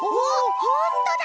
ほんとだ！